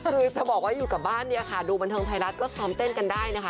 คือจะบอกว่าอยู่กับบ้านเนี่ยค่ะดูบันเทิงไทยรัฐก็ซ้อมเต้นกันได้นะคะ